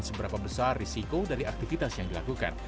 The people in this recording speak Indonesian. seberapa besar risiko dari aktivitas yang dilakukan